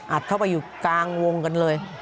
เข้าไปอยู่กลางวงกันเลย